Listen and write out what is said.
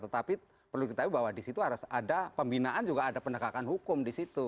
tetapi perlu ditakibat bahwa di situ ada pembinaan juga ada pendekakan hukum di situ